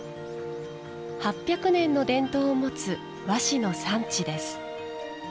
８００年の伝統を持つ和紙の産地です。